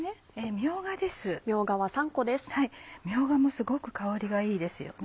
みょうがもすごく香りがいいですよね。